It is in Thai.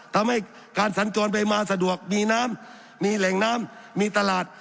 ทำให้การสัญจรไปมาสะดวกมีน้ำมีแหล่งน้ำมีตลาด